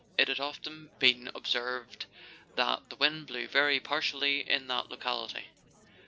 It had often been observed that the wind blew very partially in that locality.